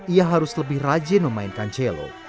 ia harus lebih rajin memainkan celo